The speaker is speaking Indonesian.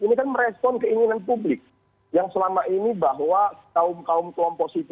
ini kan merespon keinginan publik yang selama ini bahwa kaum kaum kelompok sipil